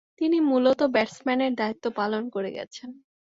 তিনি মূলতঃ ব্যাটসম্যানের দায়িত্ব পালন করে গেছেন।